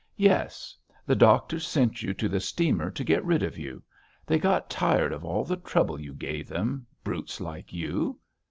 Yes. The doctors sent you to the steamer to get rid of you. They got tired of all the trouble you gave them, brutes like you.